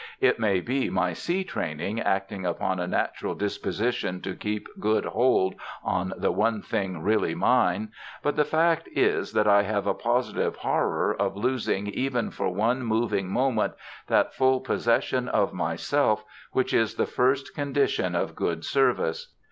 It may be my sea training acting upon a natural disposition to keep good hold on the one thing really mine, but the fact is that I have a positive horror of losing even for one moving moment that full possession of myself which is the first condition of good service.